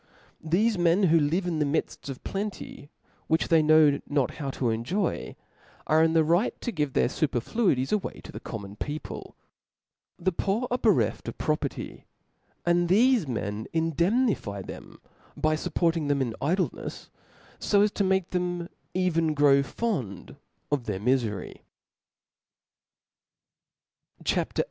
Theie men^ who live in the midft of a plenty which they know not how to enjoy, are in the right to < give their fuperfluities away to the common people. The poor are bereft of proper ty ; and thefe men indemnify them by fupporting them in idlenefs, fo as to make them even grow fond of their mifery. CHAP.